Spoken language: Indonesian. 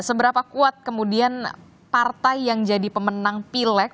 seberapa kuat kemudian partai yang jadi pemenang pilek